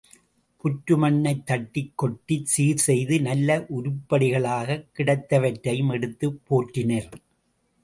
புற்று மண்ணைத் தட்டிக் கொட்டிச் சீர்செய்து, நல்ல உருப்படிகளாகக் கிடைத்தவரையும் எடுத்துப் போற்றினர்.